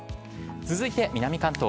続いて南関東。